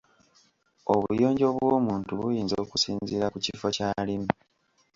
Obuyonjo bw'omuntu buyinza okusinziira ku kifo ky’alimu.